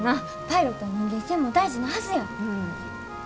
パイロットは人間性も大事なはずや。